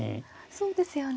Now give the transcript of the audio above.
そうですよね。